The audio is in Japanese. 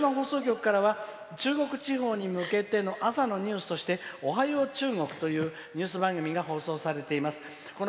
さて、広島放送局からは中国地方に向けての朝の番組で「おはよう中国」というニュース番組が放送されてます。